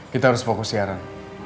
kita harus fokus siaran